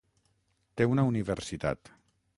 Té una universitat.